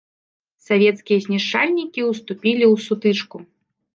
Савецкія знішчальнікі ўступілі ў сутычку.